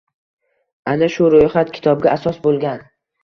Ana shu ro‘yxat kitobga asos bo‘lgan